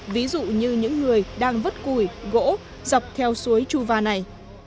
ví dụ như những người đang vất cùi gỗ dọc theo suối chu va này